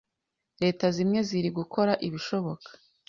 Leta zimwe ziri gukora ibishoboka